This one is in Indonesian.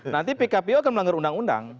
nanti pkpu akan melanggar undang undang